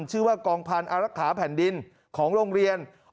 ชื่อว่ากองพันธ์อารักษาแผ่นดินของโรงเรียน